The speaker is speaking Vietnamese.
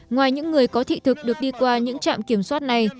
ngoài những người có thị thực được đi qua những trạm kiểm soát này